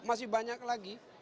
masih banyak lagi